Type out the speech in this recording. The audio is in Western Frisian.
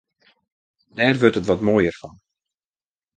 Dêr wurdt it wat moaier fan.